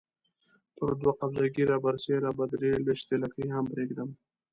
پر دوه قبضه ږیره برسېره به درې لويشتې لکۍ هم پرېږدم.